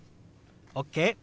ＯＫ！